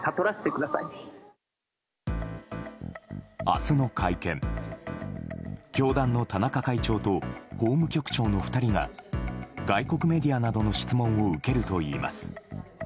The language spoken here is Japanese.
明日の会見、教団の田中会長と法務局長の２人が外国メディアなどの質問を受けるといいます。